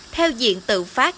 theo diện tự phát